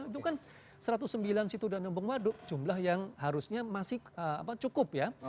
itu kan satu ratus sembilan situdan nombong waduk jumlah yang harusnya masih cukup ya